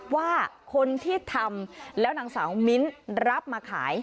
ว่าคนที่ทำแล้วนางสาวมิ้นรับมาขาย